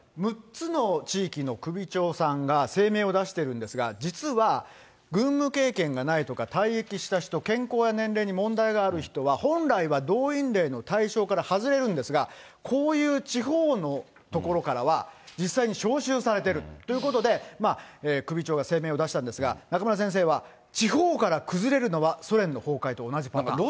６つの地域の首長さんが声明を出してるんですが、実は、軍務経験がないとか、退役した人、健康や年齢に問題がある人は、本来は動員令の対象から外れるんですが、こういう地方のところからは、実際に招集されてるということで、首長が声明を出したんですが、中村先生は、地方から崩れるのはソ連の崩壊と同じパターン。